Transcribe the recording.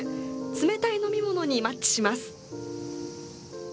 冷たい飲み物にマッチします。